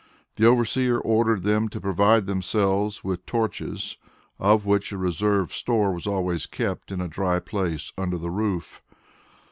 The overseer ordered them to provide themselves with torches, of which a reserve store was always kept in a dry place under the roof.